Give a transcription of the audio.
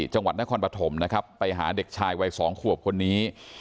จังหวัดนครปฐมนะครับไปหาเด็กชายวัย๒ขวบคนนี้